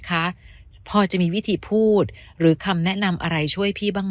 คะพอจะมีวิธีพูดหรือคำแนะนำอะไรช่วยพี่บ้าง